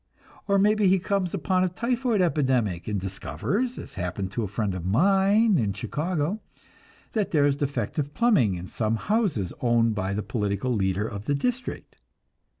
Or maybe he comes upon a typhoid epidemic, and discovers, as happened to a friend of mine in Chicago, that there is defective plumbing in some houses owned by the political leader of the district.